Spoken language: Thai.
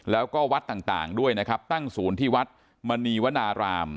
และก็วัดต่างด้วยตั้งศูนย์ที่วัดมณีวนะราม